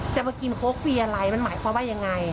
จะมากินโค้กฟรีอะไรมันหมายความว่ายังไง